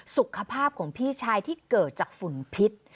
สุขภาพของพี่ชายที่เกิดจากฝุ่นพิษ